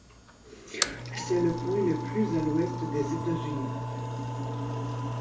C'est le point le plus à l'ouest des États-Unis.